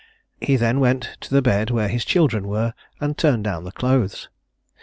He then went to the bed where his children were, and turned down the clothes.